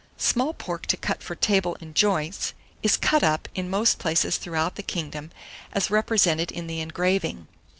Small pork to cut for table in joints, is cut up, in most places throughout the kingdom, as represented in the engraving.